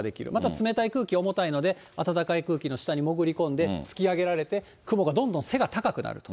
冷たい空気は重たいので、暖かい空気の下に潜り込んでつきあげられて、雲がどんどん背が高くなる。